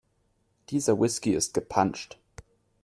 Dieser Whisky ist gepanscht.